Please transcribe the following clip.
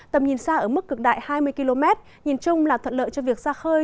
tầm nhìn xa ở mức cực đại hai mươi km nhìn chung là thuận lợi cho việc ra khơi